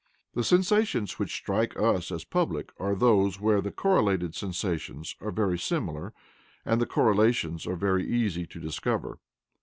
The sensations which strike us as public are those where the correlated sensations are very similar and the correlations are very easy to discover.